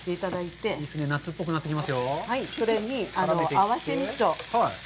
それに合わせ味噌。